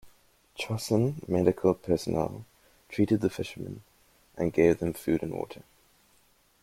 "Chosin" medical personnel treated the fishermen and gave them food and water.